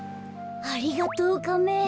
ありがとうカメ。